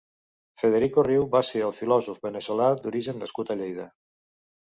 Federico Riu va ser un filòsof veneçolà, d'origen nascut a Lleida.